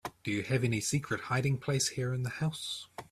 Do you have any secret hiding place here in the house?